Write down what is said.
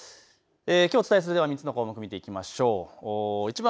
きょうお伝えする３つの項目を見ていきましょう。